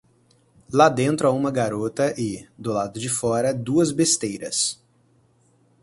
Lá dentro há uma garota e, do lado de fora, duas besteiras.